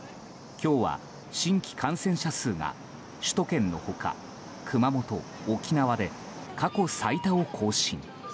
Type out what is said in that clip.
今日は、新規感染者数が首都圏の他熊本、沖縄で過去最多を更新。